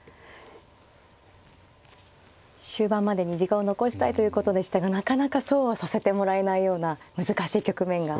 終盤までに時間を残したいということでしたがなかなかそうはさせてもらえないような難しい局面が続いていますね。